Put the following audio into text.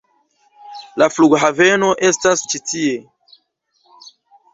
La flughaveno estas ĉi tie.